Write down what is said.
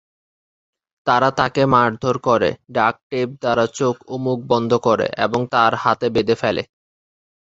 তারা তাকে মারধর করে, ডাক্ট-টেপ দ্বারা চোখ ও মুখ বন্ধ করে এবং তার হাতে বেঁধে ফেলে।